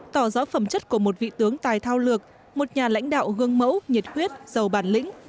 tỏ rõ phẩm chất của một vị tướng tài thao lược một nhà lãnh đạo gương mẫu nhiệt huyết giàu bản lĩnh